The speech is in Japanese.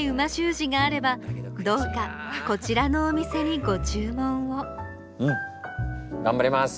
字があればどうかこちらのお店にご注文をうん頑張ります。